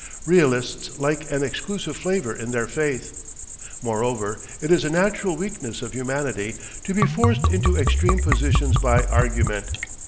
Realists like an exclusive flavour in their faith. Moreover, it is a natural weakness of humanity to be forced into extreme positions by argument.